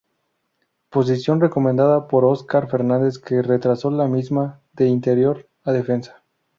Posición recomendada por Óscar Fernández, que retrasó la misma de interior a defensa.